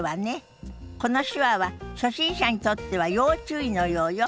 この手話は初心者にとっては要注意のようよ。